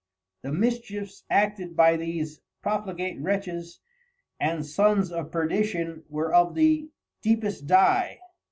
The Mischiefs acted by these profligate Wretches and Sons of Perdition were of the deepest die.